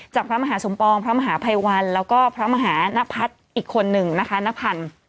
พระมหาสมปองพระมหาภัยวันแล้วก็พระมหานพัฒน์อีกคนนึงนะคะณพันธ์